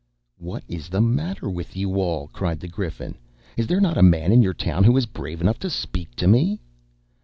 "What is the matter with you all?" cried the Griffin. "Is there not a man in your town who is brave enough to speak to me?"